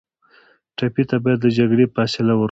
ټپي ته باید له جګړې فاصله ورکړو.